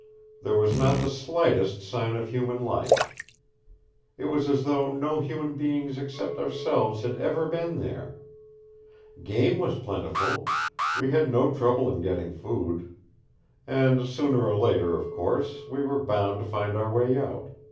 There was not the SLIGHTEST sign of human life. It was as though no human beings except ourselves had ever been there. Game was plentiful. We had no trouble in getting food. And sooner or later, of course, we were bound to find our way out.